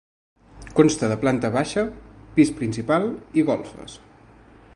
Consta de planta de baixa, pis principal i golfes.